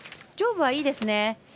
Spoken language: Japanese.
上部はいいですね。